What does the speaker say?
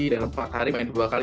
dalam empat hari main dua kali